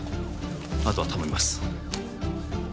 あとは頼みます